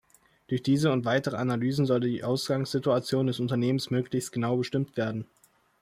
Durch diese und weitere Analysen soll die Ausgangssituation des Unternehmens möglichst genau bestimmt werden.